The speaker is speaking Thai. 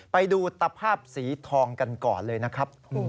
ไปดูตะภาพสีทองกันก่อนเลยนะครับ